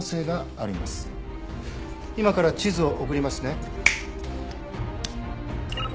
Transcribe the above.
今から地図を送りますね。